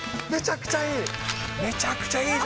めちゃくちゃいい。